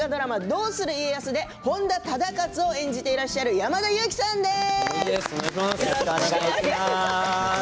「どうする家康」で本多忠勝を演じている山田裕貴さんです。